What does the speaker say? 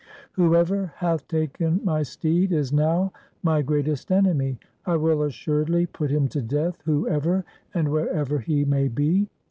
Whoever hath taken my steed is now my greatest enemy. I will assuredly put him to death whoever and wherever he may be.'